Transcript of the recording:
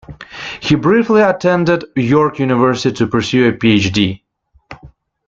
He briefly attended York University to pursue a Ph.D.